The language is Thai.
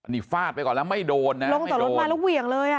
นี่ฟาดไปก่อนแล้วไม่โดนนะลงต่อรถมาแล้วเหวี่ยงเลยอ่ะ